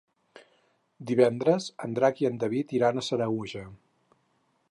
Divendres en Drac i en David iran a Sanaüja.